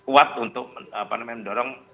kuat untuk mendorong